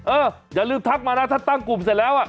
อย่าลืมทักมานะถ้าตั้งกลุ่มเสร็จแล้ว